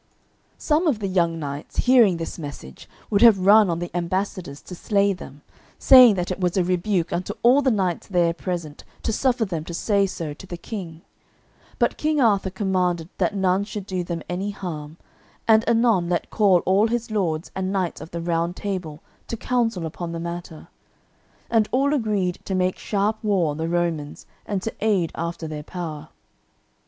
Some of the young knights hearing this message would have run on the ambassadors to slay them, saying that it was a rebuke unto all the knights there present to suffer them to say so to the King. But King Arthur commanded that none should do them any harm, and anon let call all his lords and knights of the Round Table to council upon the matter. And all agreed to make sharp war on the Romans, and to aid after their power.